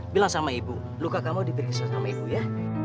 bilang sama ibu luka kamu diperiksa sama ibu ya